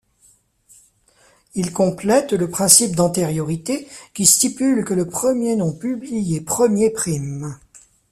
Il complète le principe d'antériorité, qui stipule que le premier nom publié premier prime.